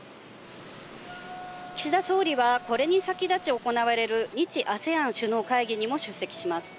岸田総理はこれに先立ち行われる、日ＡＳＥＡＮ首脳会議にも出席します。